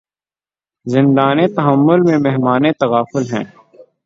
زندانِ تحمل میں مہمانِ تغافل ہیں